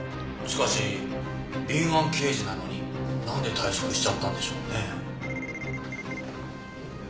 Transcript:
しかし敏腕刑事なのになんで退職しちゃったんでしょうね。